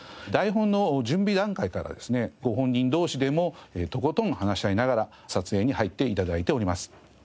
台本の準備段階からですねご本人同士でもとことん話し合いながら撮影に入って頂いております。